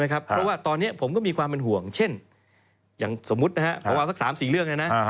เพราะว่าตอนนี้ผมก็มีความเป็นห่วงเช่นอย่างสมมุติประมาณสัก๓๔เรื่อง